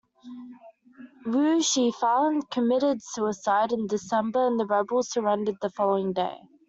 Wu Shifan committed suicide in December and the rebels surrendered the following day.